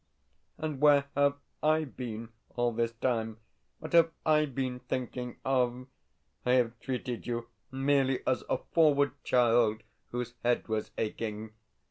And where have I been all this time? What have I been thinking of? I have treated you merely as a forward child whose head was aching.